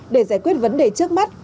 để giải quyết vấn đề trước mắt